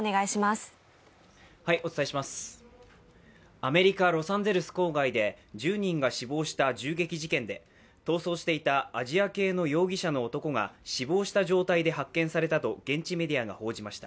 アメリカ・ロサンゼルス近郊で１０人が死亡した銃撃事件で逃走していたアジア系の容疑者の男が死亡した状態で発見されたと現地メディアが報じました。